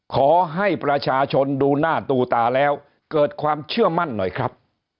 ขอให้ประชาชนดูหน้าดูตาแล้วเกิดความเชื่อมั่นหน่อยครับ